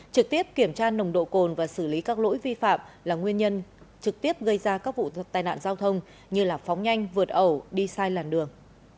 trực tiếp kiểm tra nồng độ cồn và xử lý các lỗi vi phạm là nguyên nhân trực tiếp gây ra các vụ tai nạn giao thông như phóng nhanh vượt ẩu đi sai làn đường